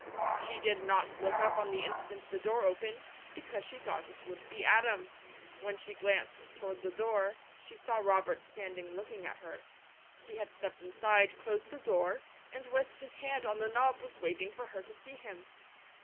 She did not look up on the instant the door opened, because she thought it would be Adam. When she glanced toward the door, she saw Robert standing looking at her. He had stepped inside, closed the door, and with his hand on the knob was waiting for her to see him.